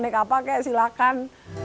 aneh kak pakai silakan